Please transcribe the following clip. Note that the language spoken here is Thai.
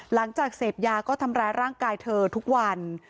หลังจากเสพยาก็ทำร้ายร่างกายเธอทุกวัน